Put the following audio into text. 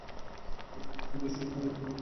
আপনাকে এখানে এসেছেন, এটা অনেক সম্মানের বিষয়।